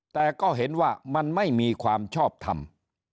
แต่ก็เห็นว่ามันไม่มีความชอบทำ